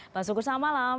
bang sukur selamat malam